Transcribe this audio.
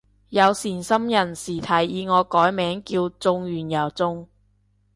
有善心人士提議我改名叫中完又中